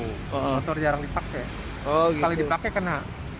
motor jarang dipakai sekali dipakai kena